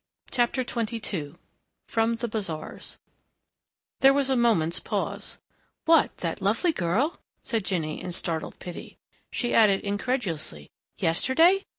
CHAPTER XXII FROM THE BAZAARS There was a moment's pause. "What? That lovely girl?" said Jinny in startled pity. She added incredulously, "Yesterday?...